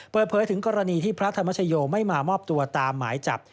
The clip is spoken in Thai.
เปิดเผยถึงกรณีที่พระธรรมชโยไม่มามอบตัวตามหมายจับ